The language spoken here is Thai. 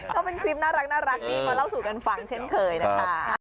ก็เป็นคลิปน่ารักดีมาเล่าสู่กันฟังเช่นเคยนะคะ